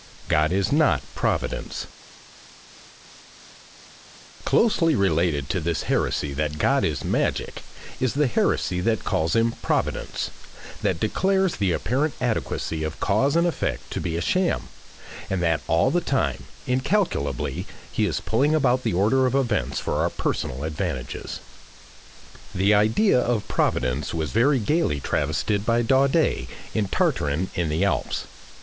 GOD IS NOT PROVIDENCE Closely related to this heresy that God is magic, is the heresy that calls him Providence, that declares the apparent adequacy of cause and effect to be a sham, and that all the time, incalculably, he is pulling about the order of events for our personal advantages. The idea of Providence was very gaily travested by Daudet in "Tartarin in the Alps."